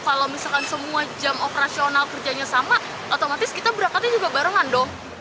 kalau misalkan semua jam operasional kerjanya sama otomatis kita berangkatnya juga barengan dong